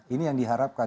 ini yang diharapkan